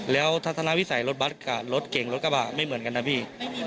แล้วทัศนวิสัยรถบัตรกับรถเก่งรถกระบะไม่เหมือนกันนะพี่